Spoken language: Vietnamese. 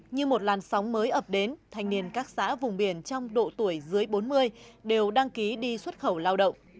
như một làn sóng mới ập đến thanh niên các xã vùng biển trong độ tuổi dưới bốn mươi đều đăng ký đi xuất khẩu lao động